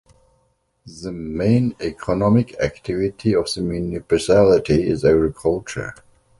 The main economic activity of the municipality is agriculture.